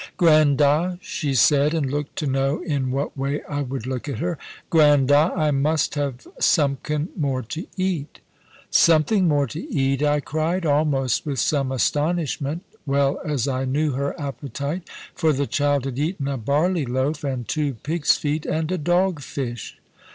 "Grand da!" she said, and looked to know in what way I would look at her; "Grand da, I must have sumkin more to eat." "Something more to eat!" I cried, almost with some astonishment, well as I knew her appetite; for the child had eaten a barley loaf, and two pig's feet, and a dog fish.